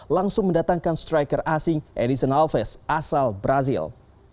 langsung mendatangkan striker asing edison alves asal brazil